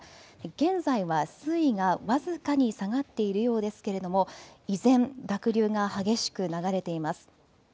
現在は水位が僅かに下がっているようですけれども依然濁流が激しく流れています。